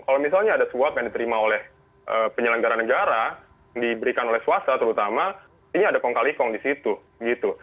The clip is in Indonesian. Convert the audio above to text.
kalau misalnya ada suap yang diterima oleh penyelenggara negara yang diberikan oleh swasta terutama ini ada kongkali kong di situ gitu